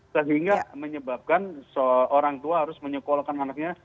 sehingga menyebabkan orang tua harus menyekolahkan anaknya